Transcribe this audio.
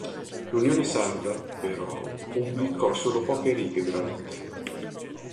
L’Unione Sarda, però, pubblicò solo poche righe della lettera.